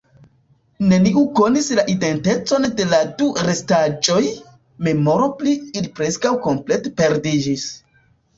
Neniu konis la identecon de la du restaĵoj, memoro pri ili preskaŭ komplete perdiĝis.